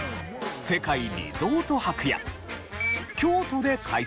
世界リゾート博や京都で開催